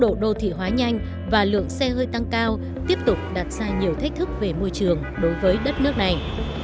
tốc độ đô thị hóa nhanh và lượng xe hơi tăng cao tiếp tục đặt ra nhiều thách thức về môi trường đối với đất nước này